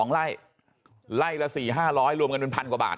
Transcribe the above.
๒ไร่ไล่ละ๔๕๐๐รวมกันเป็นพันกว่าบาท